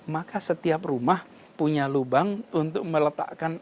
maka setiap rumah punya lubang untuk meletakkan